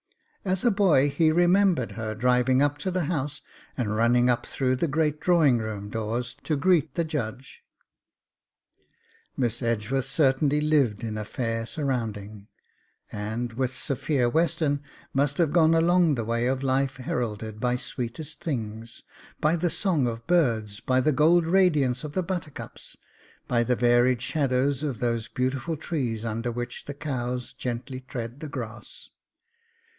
As a boy he remembered her driving up to the house and running up through the great drawing room doors to greet the Judge. Miss Edgeworth certainly lived in a fair surrounding, and, with Sophia Western, must have gone along the way of life heralded by sweetest things, by the song of birds, by the gold radiance of the buttercups, by the varied shadows of those beautiful trees under which the cows gently tread the grass.